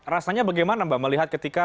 rasanya bagaimana mbak melihat ketika